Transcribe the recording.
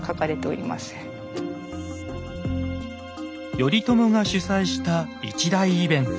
頼朝が主催した一大イベント